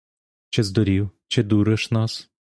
Чи здурів, чи дуриш нас?